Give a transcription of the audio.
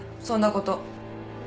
そんなこと。